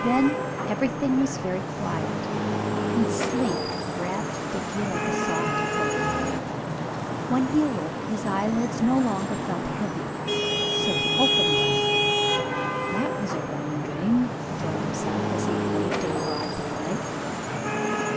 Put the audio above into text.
Then everything was very quiet, and sleep wrapped Dickie like a soft cloak. When he awoke his eyelids no longer felt heavy, so he opened them. "That was a rum dream," he told himself, as he blinked in broad daylight.